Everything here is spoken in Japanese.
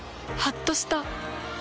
はっとした。